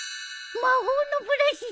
魔法のブラシだ！